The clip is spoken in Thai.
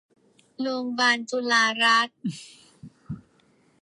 โรงพยาบาลจุฬารัตน์